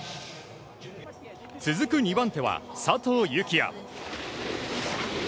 続く２番手は、佐藤幸椰。